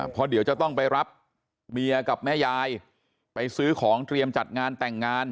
เพราะเดี๋ยวจะต้องไปรับเมียกับแม่ยายไปซื้อของเตรียมจัดงานแต่งงาน